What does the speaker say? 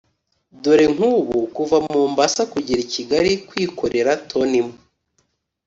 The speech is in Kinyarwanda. dore nk'ubu kuva mombasa kugera i kigali kwikorera toni imwe